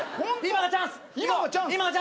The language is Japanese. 今がチャンス！